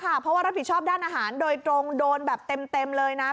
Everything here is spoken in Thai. เพราะว่ารับผิดชอบด้านอาหารโดยตรงโดนแบบเต็มเลยนะ